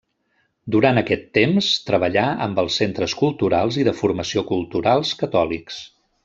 Durant aquest temps treballà amb els centres culturals i de formació culturals catòlics.